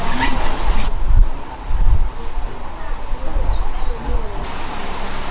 น้ำมันต้องกินให้มีความสะอาด